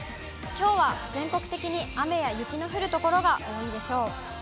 きょうは全国的に雨や雪の降る所が多いでしょう。